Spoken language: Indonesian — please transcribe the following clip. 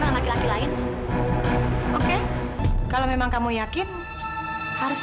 lenny sifatnya sangat keras